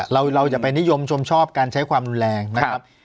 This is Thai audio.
เราอย่าไปนิยมชมชอบการใช้ความรุนแรงนะครับ